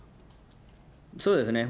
そうですね。